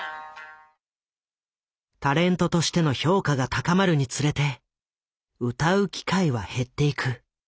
タレントとしての評価が高まるにつれて歌う機会は減っていく。